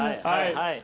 はい。